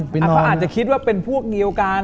เขาอาจจะคิดว่าเป็นพวกเดียวกัน